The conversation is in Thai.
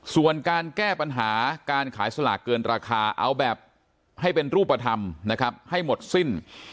ส่วนการแก้ปัญหาการขายสลากเกินราคาเอาแบบให้เป็นรูปธรรมนะครับให้หมดสิ้น